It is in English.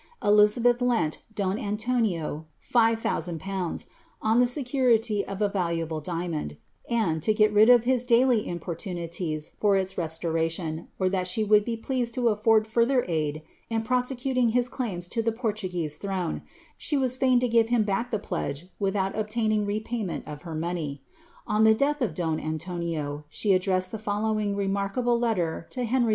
* Elizabeth lent don An tonio 5000^ on the security of a valuable diamond, and, to get rid of his daily importunities for its restoration, or that she would be pleased to aflbrd further aid in prosecuting his claims to the Portuguese throne, ihe was fiiin to give him back the pledge without obtaining repayment of her money.' On the death of don Antonio,' she addressed the fol lowing remarkable letter to Henry IV.